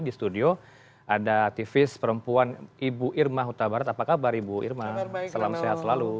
di studio ada aktivis perempuan ibu irma huta barat apa kabar ibu irma salam sehat selalu